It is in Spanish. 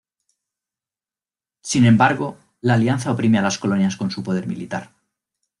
Sin embargo, la alianza oprime a las colonias con su poder militar.